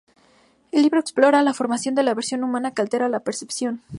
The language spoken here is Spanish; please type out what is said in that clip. El libro explora la formación de la visión humana que altera la percepción.